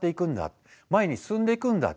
前に進んでいくんだ。